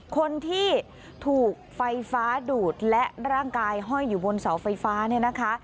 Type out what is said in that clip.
คนที่ถูกไฟฟ้าดูดและร่างกายห้อยอยู่บนเสาไฟฟ้าเนี่ยนะคะ